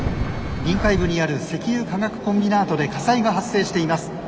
臨海部にある石油化学コンビナートで火災が発生しています。